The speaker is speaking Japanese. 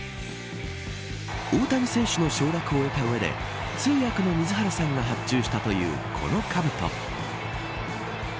大谷選手の承諾を得た上で通訳の水原さんが発注したというこのかぶと。